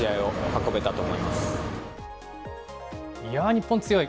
日本強い。